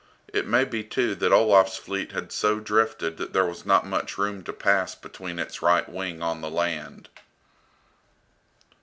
It may be too that Olaf's fleet had so drifted that there was not much room to pass between its right wing on the land.